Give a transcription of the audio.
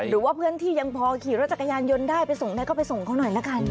หรือว่าเพื่อนที่ยังพอขี่รถจักรยานยนต์ได้ไปส่งได้ก็ไปส่งเขาหน่อยละกัน